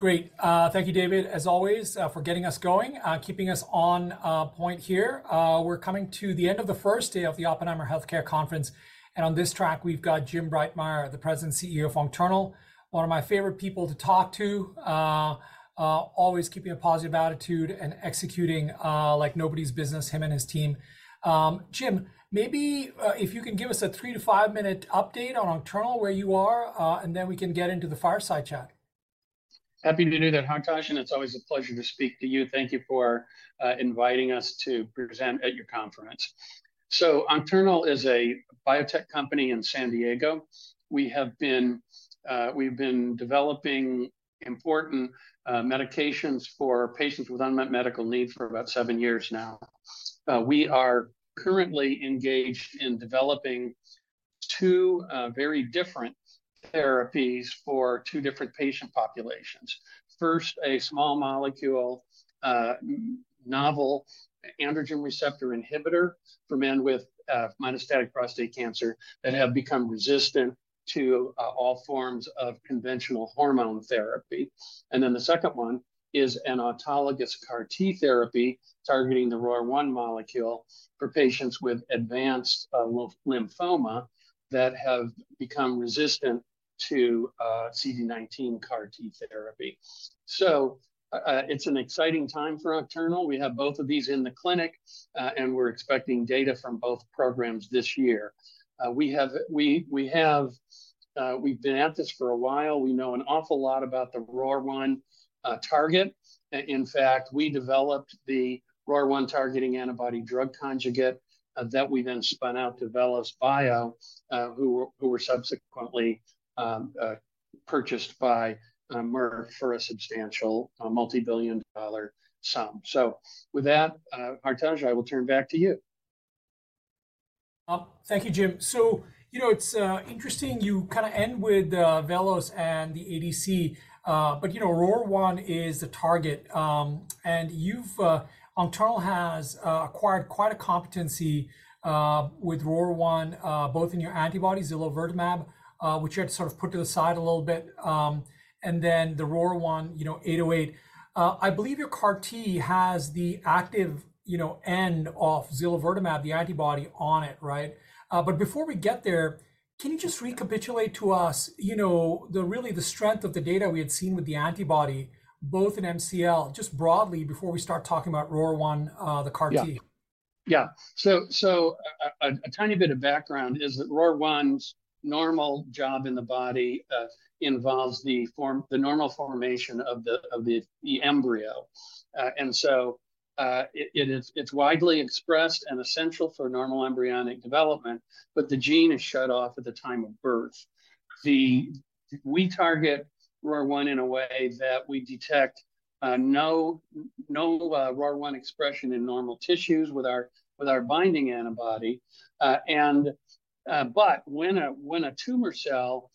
Great. Thank you, David, as always, for getting us going, keeping us on point here. We're coming to the end of the first day of the Oppenheimer Healthcare Conference, and on this track we've got Jim Breitmeyer, the President and CEO of Oncternal, one of my favorite people to talk to, always keeping a positive attitude and executing like nobody's business, him and his team. Jim, maybe if you can give us a 3-5-minute update on Oncternal, where you are, and then we can get into the fireside chat. Happy to do that, Hartaj, and it's always a pleasure to speak to you. Thank you for inviting us to present at your conference. So Oncternal is a biotech company in San Diego. We've been developing important medications for patients with unmet medical needs for about seven years now. We are currently engaged in developing two very different therapies for two different patient populations. First, a small molecule novel androgen receptor inhibitor for men with metastatic prostate cancer that have become resistant to all forms of conventional hormone therapy. And then the second one is an autologous CAR-T therapy targeting the ROR1 molecule for patients with advanced lymphoma that have become resistant to CD19 CAR-T therapy. So it's an exciting time for Oncternal. We have both of these in the clinic, and we're expecting data from both programs this year. We have been at this for a while. We know an awful lot about the ROR1 target. In fact, we developed the ROR1 targeting antibody drug conjugate that we then spun out to VelosBio, who were subsequently purchased by Merck for a substantial multibillion-dollar sum. With that, Hartaj, I will turn back to you. Thank you, Jim. So it's interesting you kind of end with VelosBio and the ADC, but ROR1 is the target, and Oncternal has acquired quite a competency with ROR1, both in your antibody, zilovertamab, which you had to sort of put to the side a little bit, and then the ROR1 808. I believe your CAR-T has the active end of zilovertamab, the antibody, on it, right? But before we get there, can you just recapitulate to us really the strength of the data we had seen with the antibody, both in MCL, just broadly, before we start talking about ROR1, the CAR-T? Yeah. Yeah. So a tiny bit of background is that ROR1's normal job in the body involves the normal formation of the embryo. And so it's widely expressed and essential for normal embryonic development, but the gene is shut off at the time of birth. We target ROR1 in a way that we detect no ROR1 expression in normal tissues with our binding antibody. But when a tumor cell,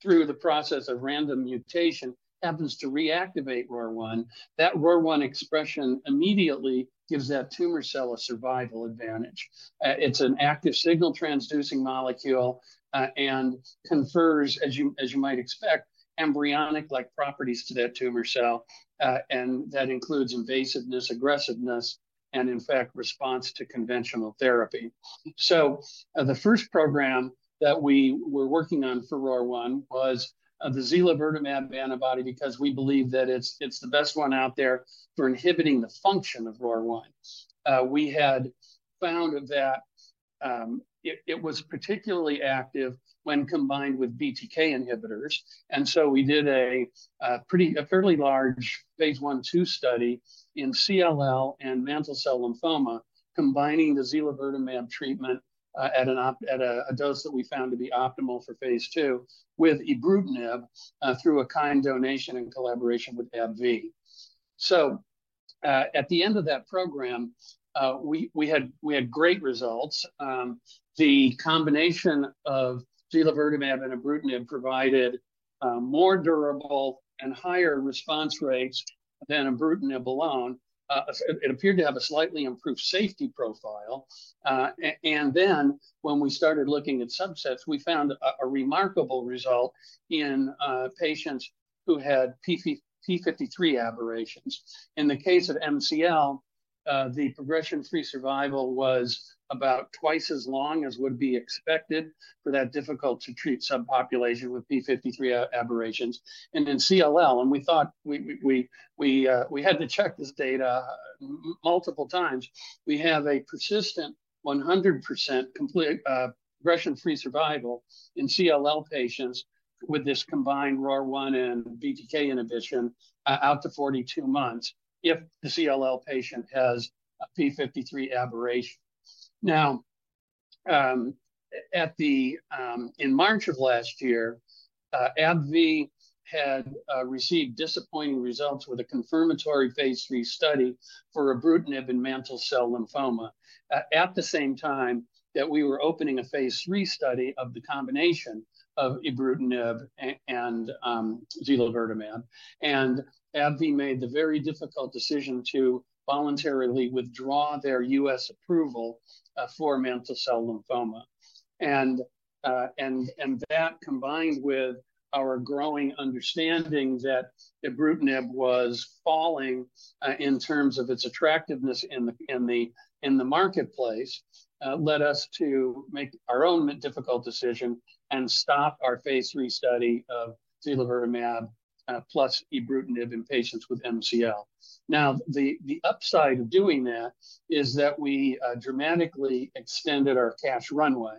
through the process of random mutation, happens to reactivate ROR1, that ROR1 expression immediately gives that tumor cell a survival advantage. It's an active signal-transducing molecule and confers, as you might expect, embryonic-like properties to that tumor cell, and that includes invasiveness, aggressiveness, and, in fact, response to conventional therapy. So the first program that we were working on for ROR1 was the zilovertamab antibody because we believe that it's the best one out there for inhibiting the function of ROR1. We had found that it was particularly active when combined with BTK inhibitors. So we did a fairly large Phase 1/2 study in CLL and mantle cell lymphoma, combining the zilovertamab treatment at a dose that we found to be optimal for phase II with ibrutinib through a kind donation in collaboration with AbbVie. At the end of that program, we had great results. The combination of zilovertamab and ibrutinib provided more durable and higher response rates than ibrutinib alone. It appeared to have a slightly improved safety profile. Then when we started looking at subsets, we found a remarkable result in patients who had p53 aberrations. In the case of MCL, the progression-free survival was about twice as long as would be expected for that difficult-to-treat subpopulation with p53 aberrations. In CLL, we had to check this data multiple times. We have a persistent 100% progression-free survival in CLL patients with this combined ROR1 and BTK inhibition out to 42 months if the CLL patient has p53 aberration. Now, in March of last year, AbbVie had received disappointing results with a confirmatory phase III study for ibrutinib in mantle cell lymphoma at the same time that we were opening a phase III study of the combination of ibrutinib and zilovertamab. AbbVie made the very difficult decision to voluntarily withdraw their U.S. approval for mantle cell lymphoma. That, combined with our growing understanding that ibrutinib was falling in terms of its attractiveness in the marketplace, led us to make our own difficult decision and stop our Phase 3 study of zilovertamab plus ibrutinib in patients with MCL. Now, the upside of doing that is that we dramatically extended our cash runway.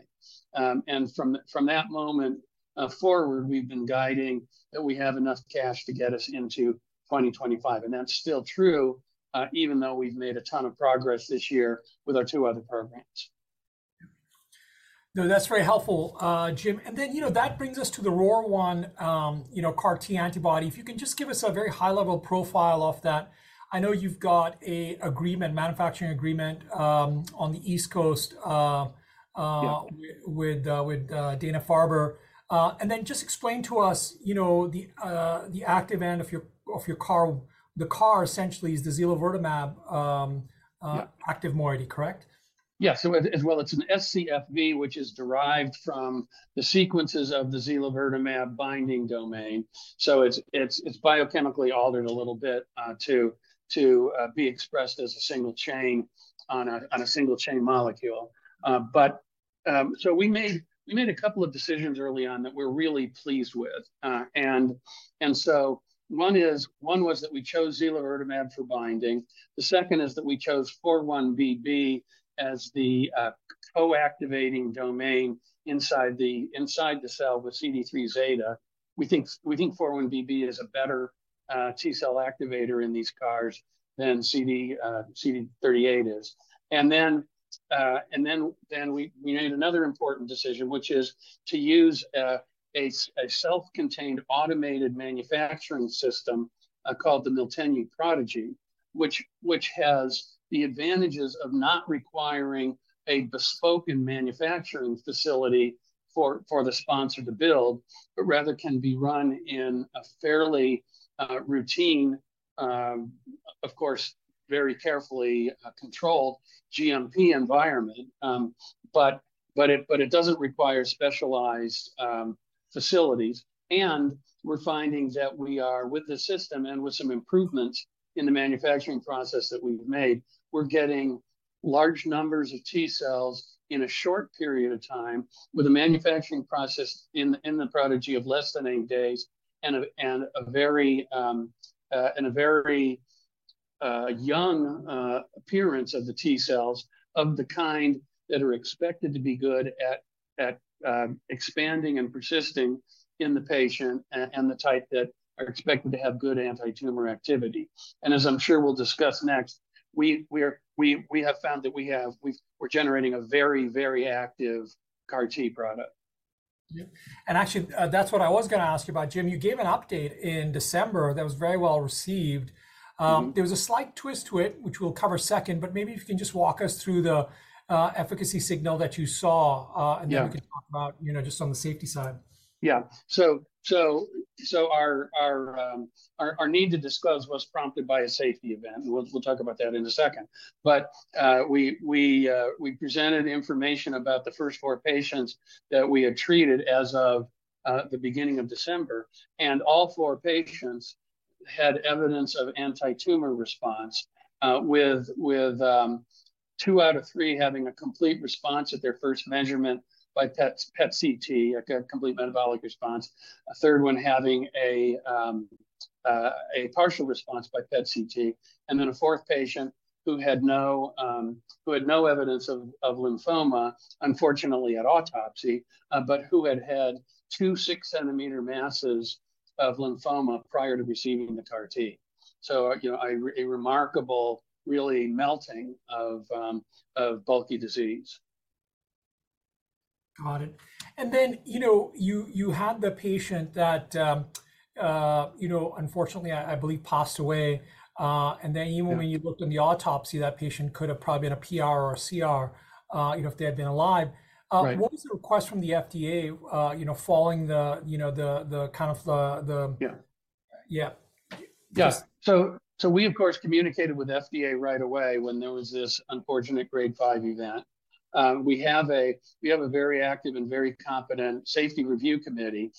From that moment forward, we've been guiding that we have enough cash to get us into 2025. That's still true, even though we've made a ton of progress this year with our two other programs. No, that's very helpful, Jim. And then that brings us to the ROR1 CAR-T antibody. If you can just give us a very high-level profile of that. I know you've got an agreement, manufacturing agreement, on the East Coast with Dana-Farber. And then just explain to us the active end of your CAR. The CAR essentially is the zilovertamab active moiety, correct? Yeah. So as well, it's an scFv, which is derived from the sequences of the zilovertamab binding domain. So it's biochemically altered a little bit to be expressed as a single chain on a single-chain molecule. So we made a couple of decisions early on that we're really pleased with. And so one was that we chose zilovertamab for binding. The second is that we chose 4-1BB as the co-activating domain inside the cell with CD3 zeta. We think 4-1BB is a better T-cell activator in these CARs than CD38 is. And then we made another important decision, which is to use a self-contained automated manufacturing system called the Miltenyi Prodigy, which has the advantages of not requiring a bespoke manufacturing facility for the sponsor to build, but rather can be run in a fairly routine, of course, very carefully controlled GMP environment. But it doesn't require specialized facilities. And we're finding that we are, with this system and with some improvements in the manufacturing process that we've made, we're getting large numbers of T-cells in a short period of time with a manufacturing process in the Prodigy of less than eight days and a very young appearance of the T-cells of the kind that are expected to be good at expanding and persisting in the patient and the type that are expected to have good anti-tumor activity. And as I'm sure we'll discuss next, we have found that we're generating a very, very active CAR-T product. Actually, that's what I was going to ask you about, Jim. You gave an update in December that was very well received. There was a slight twist to it, which we'll cover second, but maybe if you can just walk us through the efficacy signal that you saw, and then we can talk about just on the safety side. Yeah. So our need to disclose was prompted by a safety event, and we'll talk about that in a second. But we presented information about the first 4 patients that we had treated as of the beginning of December. And all 4 patients had evidence of anti-tumor response, with 2 out of 3 having a complete response at their first measurement by PET/CT, a complete metabolic response, a third one having a partial response by PET/CT, and then a fourth patient who had no evidence of lymphoma, unfortunately at autopsy, but who had had two 6-centimeter masses of lymphoma prior to receiving the CAR-T. So a remarkable, really, melting of bulky disease. Got it. And then you had the patient that, unfortunately, I believe, passed away. And then even when you looked in the autopsy, that patient could have probably been a PR or a CR if they had been alive. What was the request from the FDA following the kind of the. Yeah. Yeah. Yeah. So we, of course, communicated with the FDA right away when there was this unfortunate Grade 5 event. We have a very active and very competent safety review committee,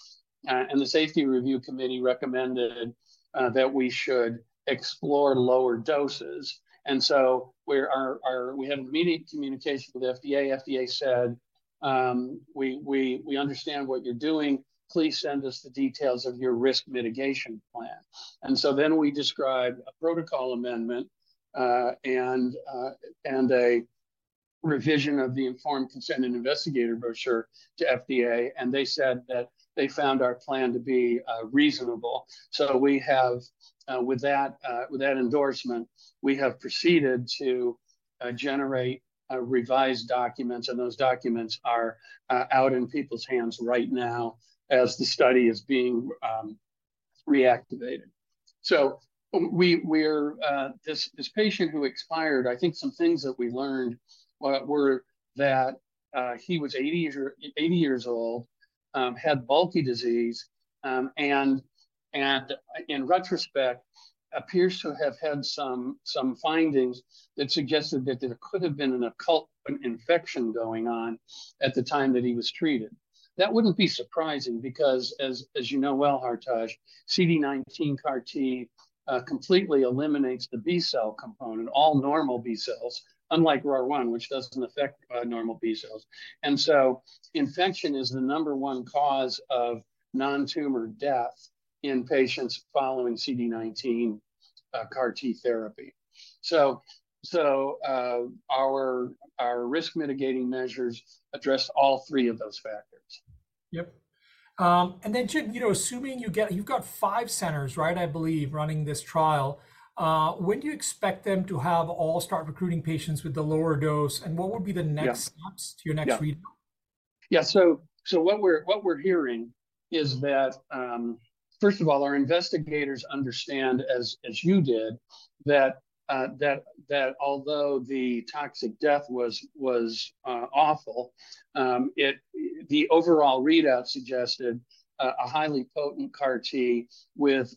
and the safety review committee recommended that we should explore lower doses. And so we had immediate communication with the FDA. The FDA said, "We understand what you're doing. Please send us the details of your risk mitigation plan." And so then we described a protocol amendment and a revision of the informed consent and investigator brochure to the FDA, and they said that they found our plan to be reasonable. So with that endorsement, we have proceeded to generate revised documents, and those documents are out in people's hands right now as the study is being reactivated. So this patient who expired, I think some things that we learned were that he was 80 years old, had bulky disease, and in retrospect, appears to have had some findings that suggested that there could have been an occult infection going on at the time that he was treated. That wouldn't be surprising because, as you know well, Hartaj, CD19 CAR-T completely eliminates the B-cell component, all normal B cells, unlike ROR1, which doesn't affect normal B-cells. And so infection is the number one cause of non-tumor death in patients following CD19 CAR-T therapy. So our risk mitigating measures address all three of those factors. Yep. And then, Jim, assuming you've got 5 centers, right, I believe, running this trial, when do you expect them to all start recruiting patients with the lower dose, and what would be the next steps to your next readout? Yeah. So what we're hearing is that, first of all, our investigators understand, as you did, that although the toxic death was awful, the overall readout suggested a highly potent CAR-T with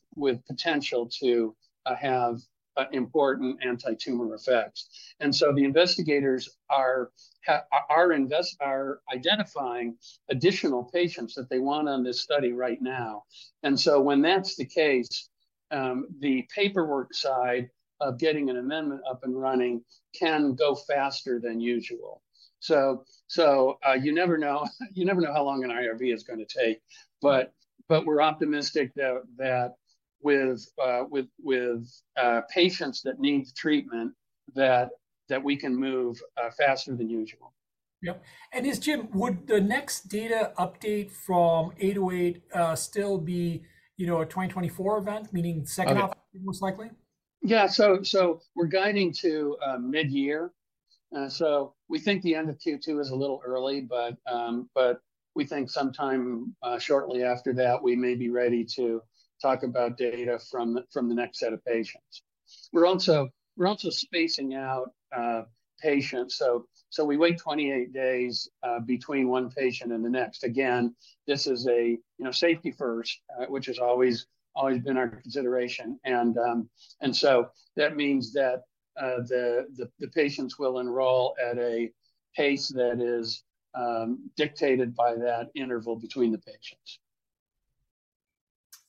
potential to have important anti-tumor effects. And so the investigators are identifying additional patients that they want on this study right now. And so when that's the case, the paperwork side of getting an amendment up and running can go faster than usual. So you never know how long an IRB is going to take. But we're optimistic that with patients that need treatment, that we can move faster than usual. Yep. And this, Jim, would the next data update from '808 still be a 2024 event, meaning second half of 2024, most likely? Yeah. So we're guiding to mid-year. So we think the end of Q2 is a little early, but we think sometime shortly after that, we may be ready to talk about data from the next set of patients. We're also spacing out patients. So we wait 28 days between one patient and the next. Again, this is safety first, which has always been our consideration. And so that means that the patients will enroll at a pace that is dictated by that interval between the patients.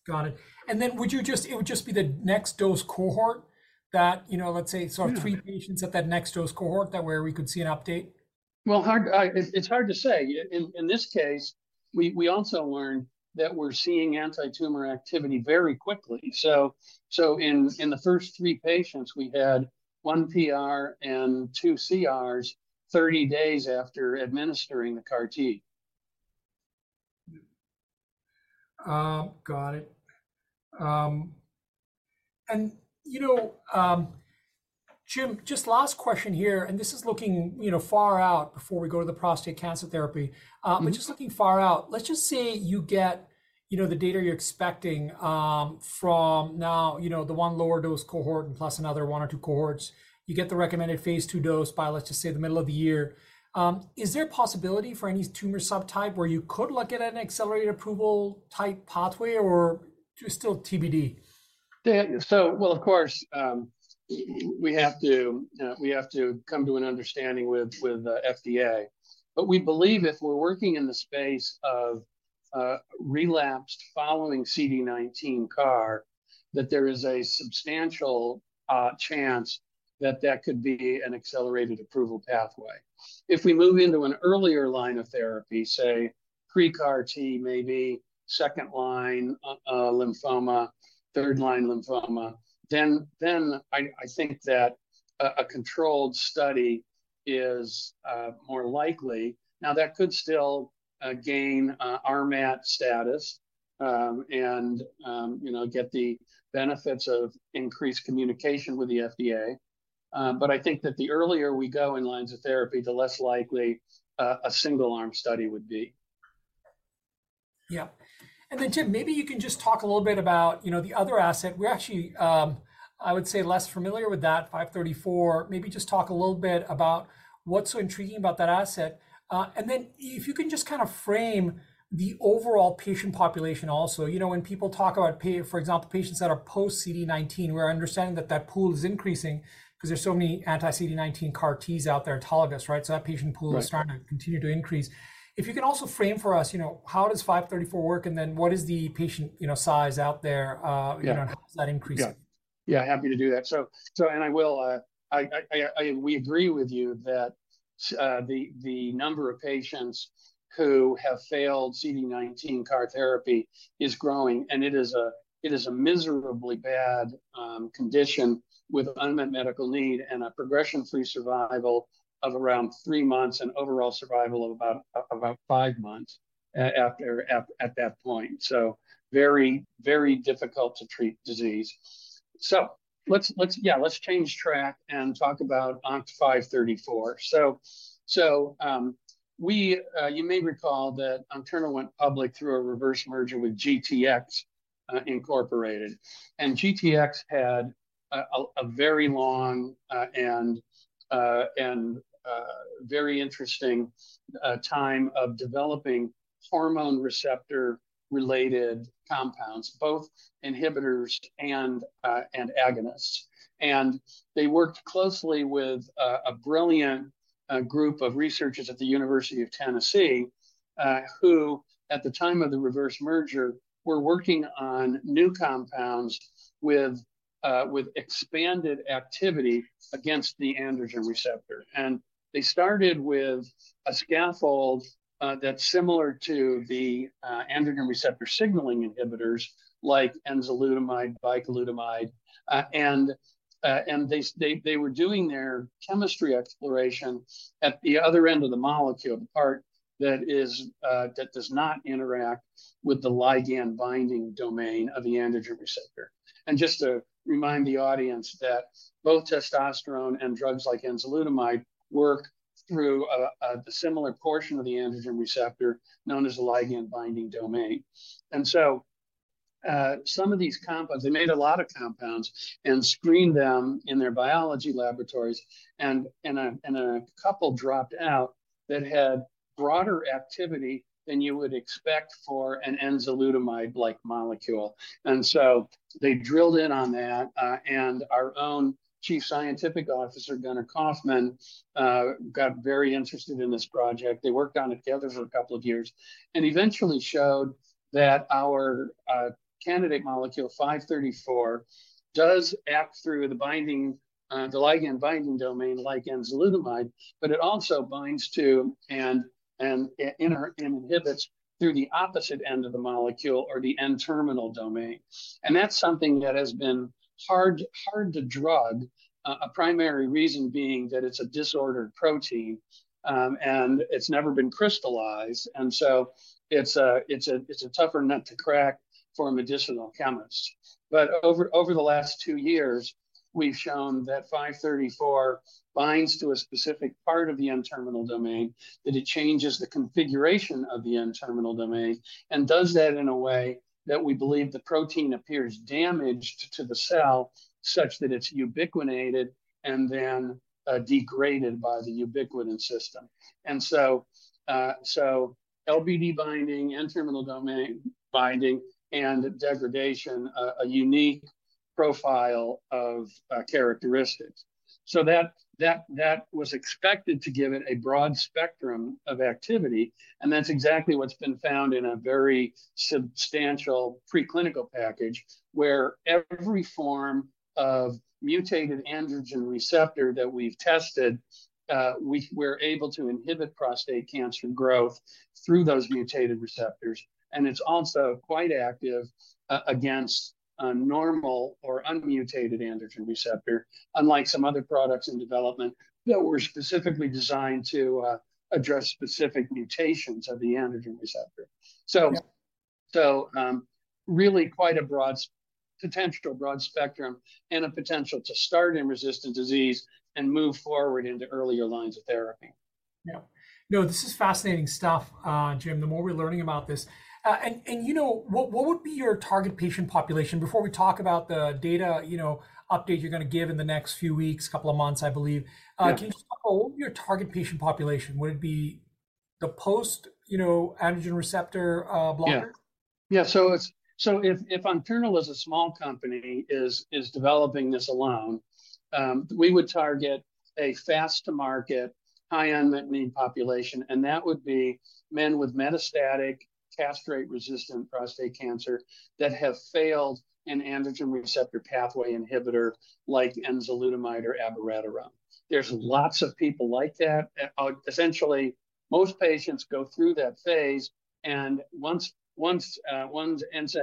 Got it. And then would you just it would just be the next-dose cohort that, let's say, so three patients at that next-dose cohort, that way we could see an update? Well, it's hard to say. In this case, we also learned that we're seeing anti-tumor activity very quickly. So in the first three patients, we had one PR and two CRs 30 days after administering the CAR-T. Got it. And, Jim, just last question here, and this is looking far out before we go to the prostate cancer therapy, but just looking far out, let's just say you get the data you're expecting from now, the one lower-dose cohort and plus another one or two cohorts, you get the recommended phase II dose by, let's just say, the middle of the year. Is there a possibility for any tumor subtype where you could look at an accelerated approval type pathway, or is it still TBD? So, well, of course, we have to come to an understanding with the FDA. But we believe if we're working in the space of relapsed following CD19 CAR, that there is a substantial chance that that could be an accelerated approval pathway. If we move into an earlier line of therapy, say, pre-CAR-T, maybe second-line lymphoma, third-line lymphoma, then I think that a controlled study is more likely. Now, that could still gain RMAT status and get the benefits of increased communication with the FDA. But I think that the earlier we go in lines of therapy, the less likely a single-arm study would be. Yep. And then, Jim, maybe you can just talk a little bit about the other asset. We're actually, I would say, less familiar with that, 534. Maybe just talk a little bit about what's so intriguing about that asset. And then if you can just kind of frame the overall patient population also. When people talk about, for example, patients that are post-CD19, we're understanding that that pool is increasing because there's so many anti-CD19 CAR-Ts out there, autologous, right? So that patient pool is starting to continue to increase. If you can also frame for us, how does 534 work, and then what is the patient size out there, and how is that increasing? Yeah. Yeah, happy to do that. We agree with you that the number of patients who have failed CD19 CAR therapy is growing, and it is a miserably bad condition with unmet medical need and a progression-free survival of around 3 months and overall survival of about 5 months at that point. So very, very difficult to treat disease. So yeah, let's change track and talk about ONCT-534. So you may recall that Oncternal went public through a reverse merger with GTx, Inc. And GTx had a very long and very interesting time of developing hormone receptor-related compounds, both inhibitors and agonists. And they worked closely with a brilliant group of researchers at the University of Tennessee who, at the time of the reverse merger, were working on new compounds with expanded activity against the androgen receptor. They started with a scaffold that's similar to the androgen receptor signaling inhibitors like enzalutamide, bicalutamide. They were doing their chemistry exploration at the other end of the molecule, the part that does not interact with the ligand binding domain of the androgen receptor. Just to remind the audience that both testosterone and drugs like enzalutamide work through the similar portion of the androgen receptor known as the ligand binding domain. So some of these compounds, they made a lot of compounds and screened them in their biology laboratories. A couple dropped out that had broader activity than you would expect for an enzalutamide-like molecule. So they drilled in on that. Our own Chief Scientific Officer, Gunnar Kaufmann, got very interested in this project. They worked on it together for a couple of years and eventually showed that our candidate molecule, 534, does act through the ligand binding domain like enzalutamide, but it also binds to and inhibits through the opposite end of the molecule or the N-terminal domain. That's something that has been hard to drug, a primary reason being that it's a disordered protein and it's never been crystallized. So it's a tougher nut to crack for a medicinal chemist. But over the last 2 years, we've shown that 534 binds to a specific part of the N-terminal domain, that it changes the configuration of the N-terminal domain and does that in a way that we believe the protein appears damaged to the cell such that it's ubiquitinated and then degraded by the ubiquitin system. So LBD binding, N-terminal domain binding, and degradation, a unique profile of characteristics. So that was expected to give it a broad spectrum of activity. And that's exactly what's been found in a very substantial preclinical package where every form of mutated androgen receptor that we've tested, we're able to inhibit prostate cancer growth through those mutated receptors. And it's also quite active against a normal or unmutated androgen receptor, unlike some other products in development that were specifically designed to address specific mutations of the androgen receptor. So really quite a potential broad spectrum and a potential to start in resistant disease and move forward into earlier lines of therapy. Yeah. No, this is fascinating stuff, Jim, the more we're learning about this. What would be your target patient population? Before we talk about the data update you're going to give in the next few weeks, couple of months, I believe, can you just talk about what would be your target patient population? Would it be the post-androgen receptor blocker? Yeah. Yeah. So if Oncternal, a small company, is developing this alone, we would target a fast-to-market, high unmet need population. And that would be men with metastatic, castrate-resistant prostate cancer that have failed an androgen receptor pathway inhibitor like enzalutamide or abiraterone. There's lots of people like that. Essentially, most patients go through that phase. And once Enza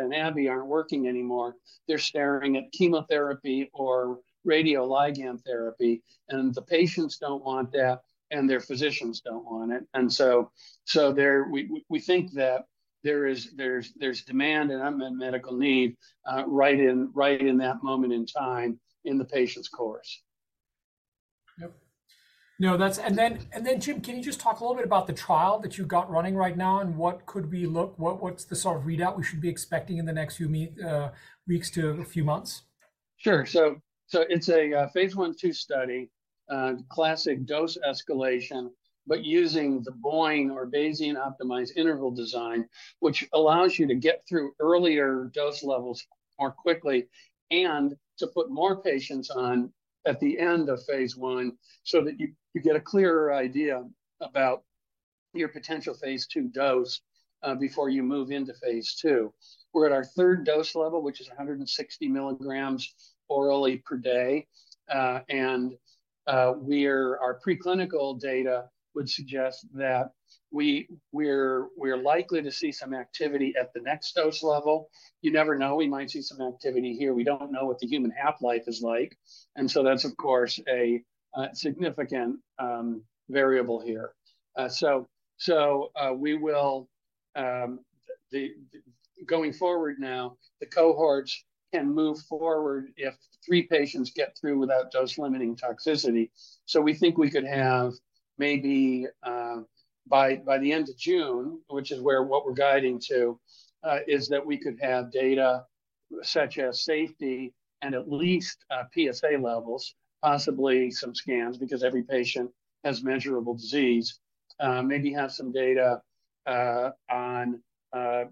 and Abi aren't working anymore, they're staring at chemotherapy or radioligand therapy. And the patients don't want that, and their physicians don't want it. And so we think that there's demand and unmet medical need right in that moment in time in the patient's course. Yep. No, that's and then, Jim, can you just talk a little bit about the trial that you've got running right now and what's the sort of readout we should be expecting in the next few weeks to a few months? Sure. So it's a Phase 1/2 study, classic dose escalation, but using the BOIN or Bayesian-optimized interval design, which allows you to get through earlier dose levels more quickly and to put more patients on at the end of Phase 1 so that you get a clearer idea about your potential Phase 2 dose before you move into Phase 2. We're at our third dose level, which is 160 milligrams orally per day. And our preclinical data would suggest that we're likely to see some activity at the next dose level. You never know. We might see some activity here. We don't know what the human half-life is like. And so that's, of course, a significant variable here. So going forward now, the cohorts can move forward if three patients get through without dose-limiting toxicity. So we think we could have maybe by the end of June, which is where what we're guiding to, is that we could have data such as safety and at least PSA levels, possibly some scans because every patient has measurable disease, maybe have some data on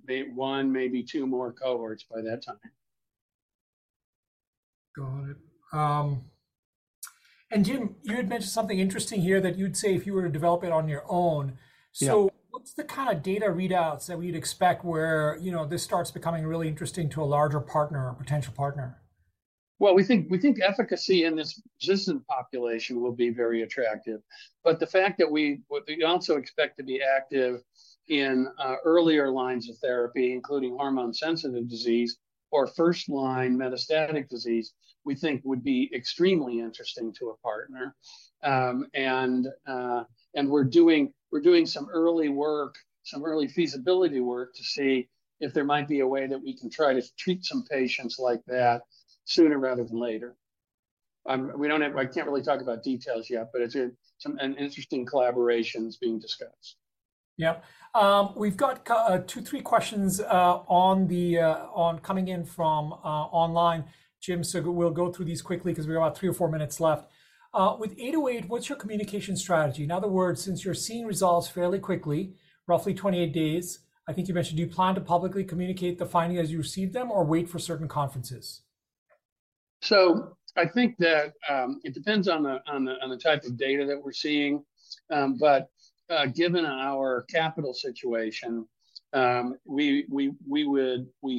1, maybe 2 more cohorts by that time. Got it. Jim, you had mentioned something interesting here that you'd say if you were to develop it on your own. So what's the kind of data readouts that we'd expect where this starts becoming really interesting to a larger partner, a potential partner? Well, we think efficacy in this resistant population will be very attractive. But the fact that we also expect to be active in earlier lines of therapy, including hormone-sensitive disease or first-line metastatic disease, we think would be extremely interesting to a partner. And we're doing some early work, some early feasibility work to see if there might be a way that we can try to treat some patients like that sooner rather than later. I can't really talk about details yet, but it's an interesting collaboration that's being discussed. Yep. We've got 2-3 questions coming in from online. Jim, so we'll go through these quickly because we have about 3 or 4 minutes left. With 808, what's your communication strategy? In other words, since you're seeing results fairly quickly, roughly 28 days, I think you mentioned, do you plan to publicly communicate the findings as you receive them or wait for certain conferences? I think that it depends on the type of data that we're seeing. Given our capital situation, we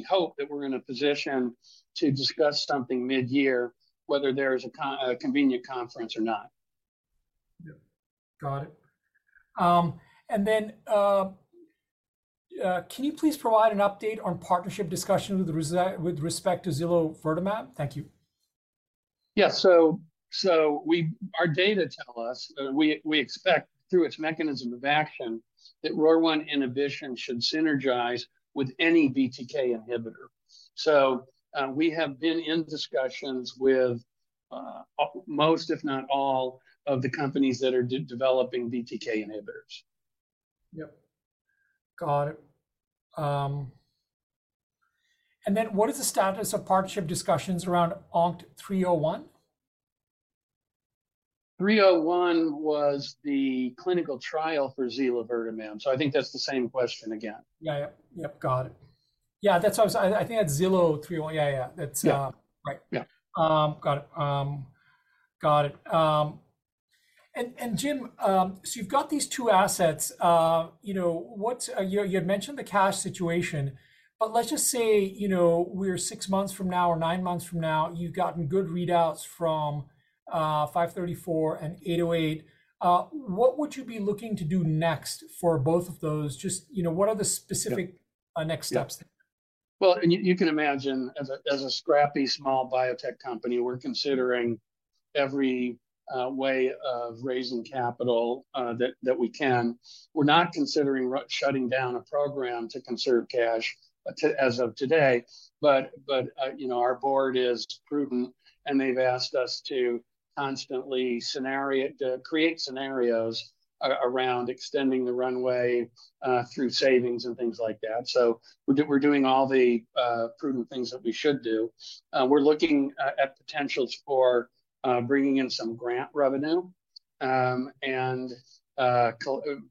hope that we're in a position to discuss something mid-year, whether there is a convenient conference or not. Yeah. Got it. And then can you please provide an update on partnership discussion with respect to zilovertamab? Thank you. Yeah. So our data tell us we expect, through its mechanism of action, that ROR1 inhibition should synergize with any BTK inhibitor. So we have been in discussions with most, if not all, of the companies that are developing BTK inhibitors. Yep. Got it. And then what is the status of partnership discussions around ONCT-301? 301 was the clinical trial for zilovertamab. So I think that's the same question again. Yeah, yeah. Yep, got it. Yeah, I think that's ZILO-301. Yeah, yeah. That's right. Got it. Got it. And, Jim, so you've got these two assets. You had mentioned the cash situation. But let's just say we're six months from now or nine months from now. You've gotten good readouts from 534 and 808. What would you be looking to do next for both of those? Just what are the specific next steps there? Well, and you can imagine, as a scrappy, small biotech company, we're considering every way of raising capital that we can. We're not considering shutting down a program to conserve cash as of today. But our board is prudent, and they've asked us to constantly create scenarios around extending the runway through savings and things like that. So we're doing all the prudent things that we should do. We're looking at potentials for bringing in some grant revenue and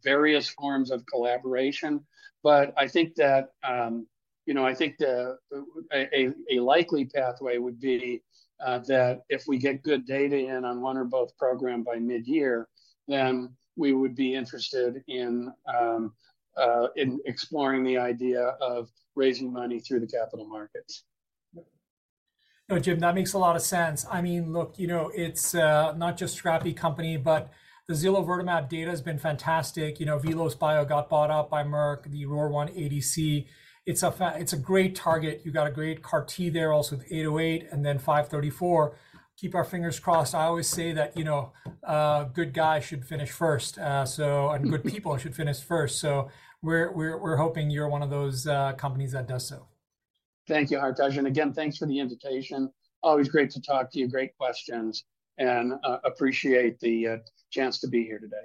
various forms of collaboration. But I think that I think a likely pathway would be that if we get good data in on one or both programs by mid-year, then we would be interested in exploring the idea of raising money through the capital markets. No, Jim, that makes a lot of sense. I mean, look, it's not just a scrappy company, but the zilovertamab data has been fantastic. VelosBio got bought up by Merck, the ROR1 ADC. It's a great target. You've got a great CAR-T there also with 808 and then 534. Keep our fingers crossed. I always say that good guys should finish first and good people should finish first. So we're hoping you're one of those companies that does so. Thank you, Hartaj. And again, thanks for the invitation. Always great to talk to you, great questions, and appreciate the chance to be here today.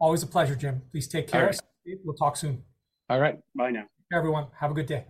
Always a pleasure, Jim. Please take care. We'll talk soon. All right. Bye now. Everyone, have a good day.